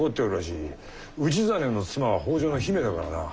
氏真の妻は北条の姫だからな。